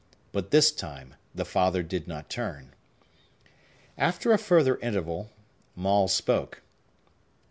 But this time the father did not turn. After a further interval, Maule spoke.